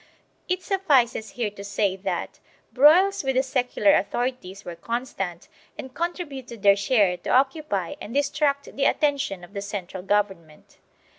It suffices here to say that broils with the secular authorities were constant and contributed their share to occupy and distract the attention of the central government.